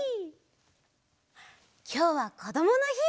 きょうはこどものひ。